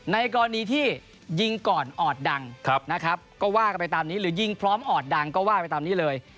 ในกรณีที่ยิงก่อนออดดังนะครับก็ว่ากันไปตามนี้หรือยิงพร้อมออดดังก็ว่าไปตามนี้เลย